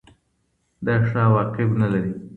دا ښه عواقب نلري.